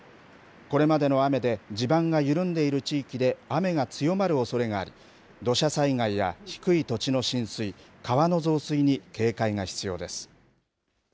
これまでの雨で地盤が緩んでいる地域で雨が強まるおそれがあり、土砂災害や低い土地の浸水、川の増水に警戒が必要です。